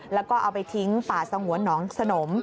แล้วก็เอาไปทิ้งป่าสงวนหนองสนม